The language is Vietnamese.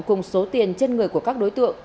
cùng số tiền trên người của các đối tượng